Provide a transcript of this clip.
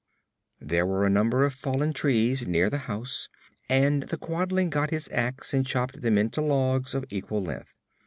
There were a number of fallen trees near the house and the Quadling got his axe and chopped them into logs of equal length.